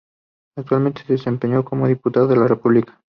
Actualmente se desempeña como diputado de la República.